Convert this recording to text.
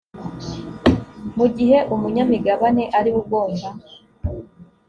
mu gihe umunyamigabane ariwe ugomba